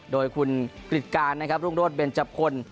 โดยคุณกริจการนะครับรุ่งโรศเบนจับพล